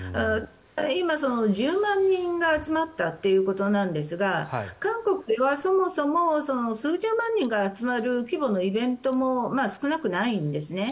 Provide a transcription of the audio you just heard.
今、１０万人が集まったということなんですが韓国ではそもそも数十万人が集まる規模のイベントも少なくないんですね。